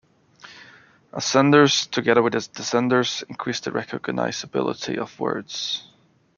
Ascenders, together with descenders, increase the recognizability of words.